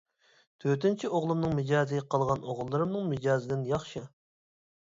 تۆتىنچى ئوغلۇمنىڭ مىجەزى قالغان ئوغۇللىرىمنىڭ مىجەزىدىن ياخشى.